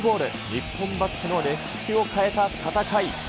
日本バスケの歴史を変えた戦い。